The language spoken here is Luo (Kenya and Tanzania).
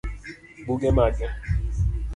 Buge mage?